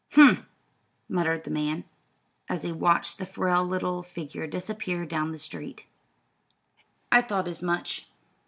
"Humph!" muttered the man, as he watched the frail little figure disappear down the street. "I thought as much!"